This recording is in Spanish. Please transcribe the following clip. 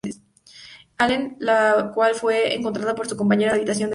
Allen, la cual fue encontrada por su compañera de habitación, la Srta.